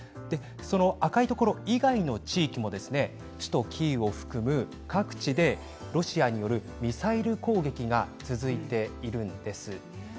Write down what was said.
赤いところ以外の地域も首都キーウを含む各地でロシアによるミサイル攻撃が続いているんです。